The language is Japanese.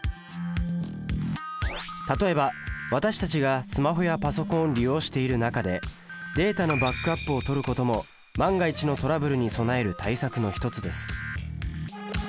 例えば私たちがスマホやパソコンを利用している中でデータのバックアップをとることも万が一のトラブルに備える対策の一つです